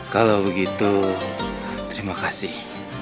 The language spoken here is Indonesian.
kalau begitu terima kasih